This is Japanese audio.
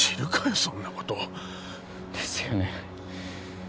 そんなことですよね